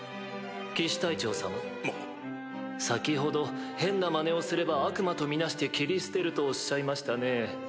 騎士隊長様先ほど変なまねをすれば悪魔と見なして斬り捨てるとおっしゃいましたね。